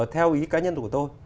theo ý cá nhân của tôi